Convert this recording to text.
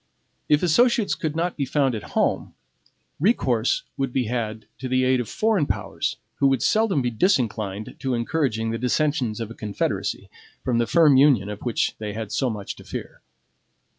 If associates could not be found at home, recourse would be had to the aid of foreign powers, who would seldom be disinclined to encouraging the dissensions of a Confederacy, from the firm union of which they had so much to fear.